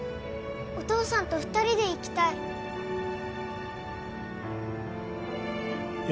お父さんと２人で行きたいいや